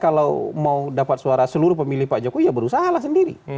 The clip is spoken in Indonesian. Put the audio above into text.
kalau mau dapat suara seluruh pemilih pak jokowi ya berusahalah sendiri